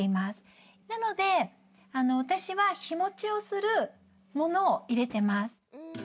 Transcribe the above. なので、私は日もちのするものを入れてます。